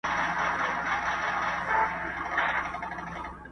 پاک پر شرعه برابر مسلمانان دي.